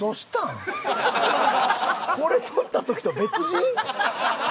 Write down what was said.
これ撮った時と別人？